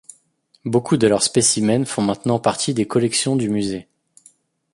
Beaucoup de leurs spécimens font maintenant partie des collections du musée.